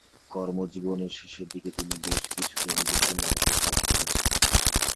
কর্মজীবনের শেষ দিকে তিনি বেশ কিছু টেলিভিশন নাটকে কাজ করেছেন।